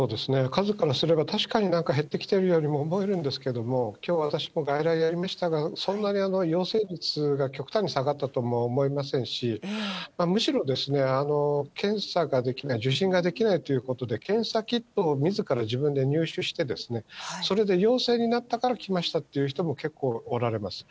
数からすれば、確かになんか減ってきてるようにも思えるんですけれども、きょう、私も外来やりましたが、そんなに陽性率が極端に下がったとも思いませんし、むしろ、検査ができない、受診ができないということで、検査キットをみずから自分で入手して、それで陽性になったから来ましたっていう人も結構おられます。